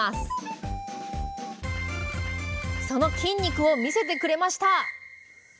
その筋肉を見せてくれました